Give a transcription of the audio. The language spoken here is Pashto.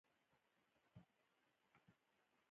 فلم باید د ژبې وده ته کار وکړي